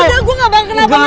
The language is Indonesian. udah gue nggak mau kenapa kenapa